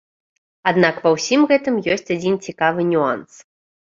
Аднак ва ўсім гэтым ёсць адзін цікавы нюанс.